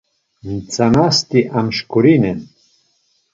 Ntsanasti amşǩorinen.